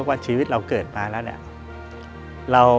ว่าชีวิตเราเกิดมาแล้วเนี่ย